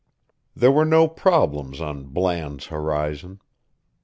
There were no problems on Bland's horizon.